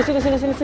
tuh nggak kemas ya